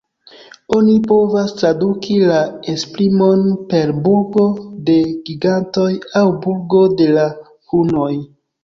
Oni povas traduki la esprimon per "burgo de gigantoj" aŭ "burgo de la hunoj".